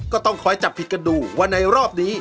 ก็ต้องคอยจับผิดกันดูว่าในรอบนี้